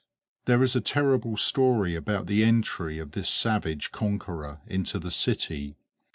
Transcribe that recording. There is a terrible story about the entry of this savage conqueror into the city.